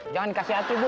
jangan kasih hati bu